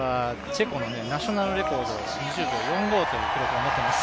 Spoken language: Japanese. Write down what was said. チェコのナショナルレコード、２０秒４５という記録を持っています。